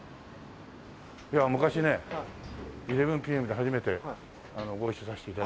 昔ね『１１ＰＭ』で初めてご一緒させて頂いて。